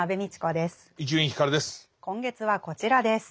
今月はこちらです。